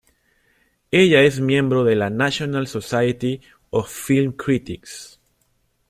Ella es miembro de la National Society of Film Critics.